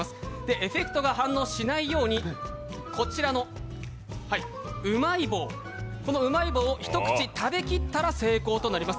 エフェクトが反応しないようにこちらのうまい棒を一口食べきったら成功になります。